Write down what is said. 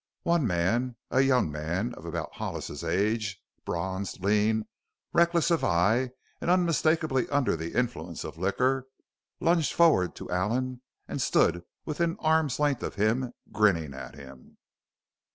One man, a young man of about Hollis's age, bronzed, lean, reckless of eye, and unmistakably under the influence of liquor, lunged forward to Allen and stood within arm's length of him, grinning at him.